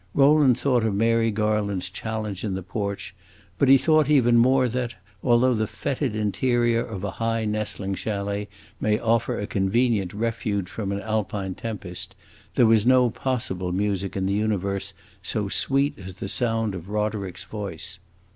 Rowland thought of Mary Garland's challenge in the porch, but he thought even more that, although the fetid interior of a high nestling chalet may offer a convenient refuge from an Alpine tempest, there was no possible music in the universe so sweet as the sound of Roderick's voice.